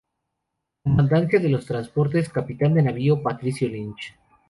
Comandancia de los Transportes, capitán de navío Patricio Lynch.